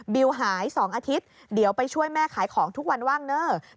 วิวหาย๒อาทิตย์เดี๋ยวไปช่วยแม่ขายของทุกวันว่างเนอร์